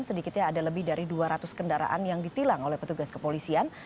sedikitnya ada lebih dari dua ratus kendaraan yang ditilang oleh petugas kepolisian